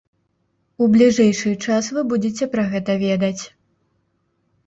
У бліжэйшы час вы будзеце пра гэта ведаць.